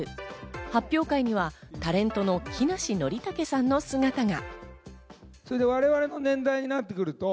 発表会にはタレントの木梨憲武さんの姿が。